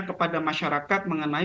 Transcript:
kepada masyarakat mengenai